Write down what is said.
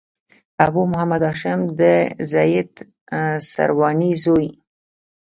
ابو محمد هاشم د زيد سرواني زوی.